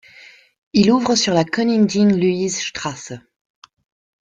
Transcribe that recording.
Il ouvre sur la Königin-Luise-Straße.